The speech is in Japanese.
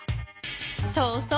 そうそう。